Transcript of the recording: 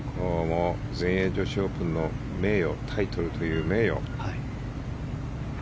全英女子オープンのタイトルという名誉。